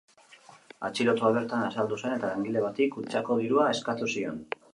Atxilotua bertan azaldu zen eta langile bati kutxako dirua eskatu zion.